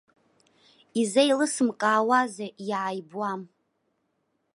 Изеилысымкаауазеи, иааибуам?